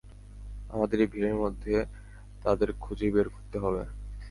আমাদের এই ভিড়ের মধ্যে তাদের খুঁজে বের করতে হবে।